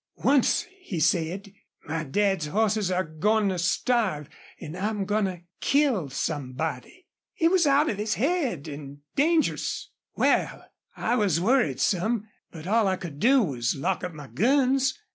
Once he said, 'My dad's hosses are goin' to starve, an' I'm goin' to kill somebody!' He was out of his head an' dangerous. Wal, I was worried some, but all I could do was lock up my guns.